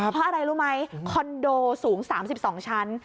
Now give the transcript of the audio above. เพราะอะไรรู้ไหมคอนโดสูง๓๒ชั้น